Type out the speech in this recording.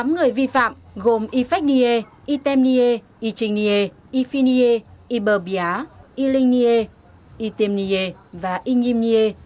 tám người vi phạm gồm yfechnie ytemnie ytrinnie yfinnie yberbia ylinnie ytemnie và ynyimnie